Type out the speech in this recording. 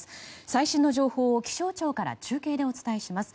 最新の情報を気象庁から中継でお伝えします。